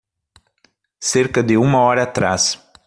Cerca de uma hora atrás.